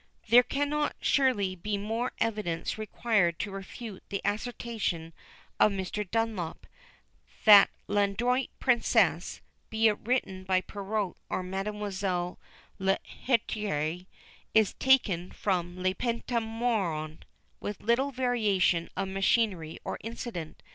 There cannot surely be more evidence required to refute the assertion of Mr. Dunlop, that L'Adroite Princesse (be it written by Perrault or Mademoiselle Lheritier) is taken from the Pentamerone, with little variation of machinery or incident.